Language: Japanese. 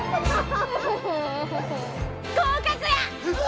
合格や！